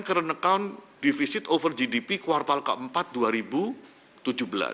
current account divisi terhadap gdp kuartal keempat dua ribu tujuh belas